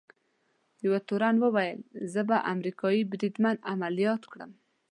یوه تورن وویل: زه به امریکايي بریدمن عملیات کړم.